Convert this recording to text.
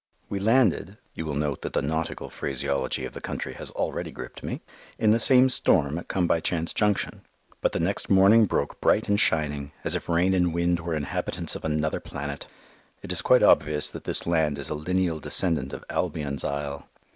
We landed (you will note that the nautical phraseology of the country has already gripped me) in the same storm at Come by Chance Junction. But the next morning broke bright and shining, as if rain and wind were inhabitants of another planet. It is quite obvious that this land is a lineal descendant of Albion's Isle.